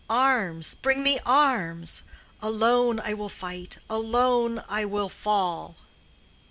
Arms! bring me arms! alone I will fight, alone I will fall.